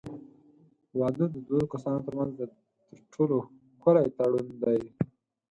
واده د دوو کسانو ترمنځ تر ټولو ښکلی تړون دی.